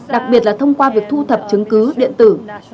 đặc biệt là thông qua việc thu thập chứng cứ điện tử